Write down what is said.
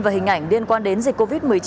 và hình ảnh liên quan đến dịch covid một mươi chín